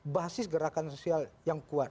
basis gerakan sosial yang kuat